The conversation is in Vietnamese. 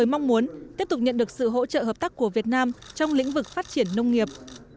mong muốn tiếp tục nhận được sự hỗ trợ hợp tác của việt nam trong lĩnh vực phát triển nông nghiệp